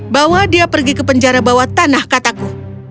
bawa dia pergi ke penjara bawah tanah kataku